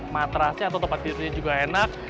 matrasnya atau tempat tidurnya juga enak